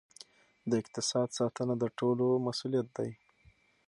د اقتصاد ساتنه د ټولو مسؤلیت دی.